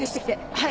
はい。